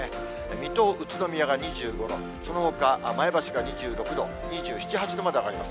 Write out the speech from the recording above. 水戸、宇都宮が２５度、そのほか前橋が２６度、２７、８度まで上がります。